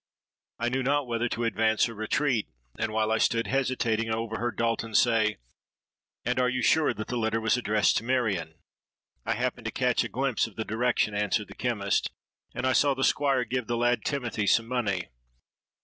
I knew not whether to advance or retreat; and while I stood hesitating, I overheard Dalton say, 'And you are sure that the letter was addressed to Marion?'—'I happened to catch a glimpse of the direction,' answered the chemist, 'and I saw the Squire give the lad Timothy some money.'